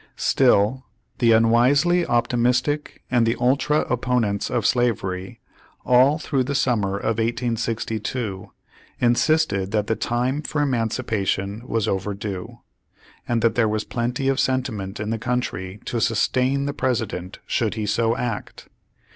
Still the unvv^isely optimistic, and the ultra op ponents of slavery, all through the summer of 1862, insisted that the time for emancipation was overdue, and that there was plenty of sentiment in the country to sustain the President should he so act.